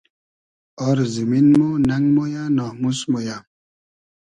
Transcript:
آر زیمین مۉ نئنگ مۉیۂ ناموس مۉ یۂ